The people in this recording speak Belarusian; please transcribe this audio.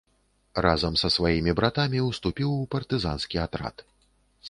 Разам са сваімі братамі ўступіў у партызанскі атрад.